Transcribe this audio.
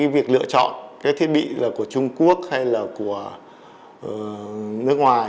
việc lựa chọn thiết bị là của trung quốc hay là của nước ngoài